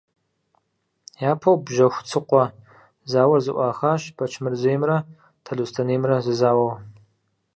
Япэу Бжьэхуцыкъуэ зауэр зэӀуахащ Бэчмырзеймрэ Талъостэнеймрэ зэзауэу.